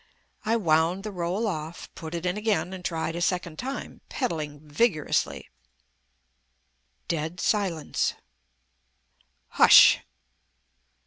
I wound the roll off, put it in again, and tried a second time, pedalling vigorously. Dead silence.... Hush!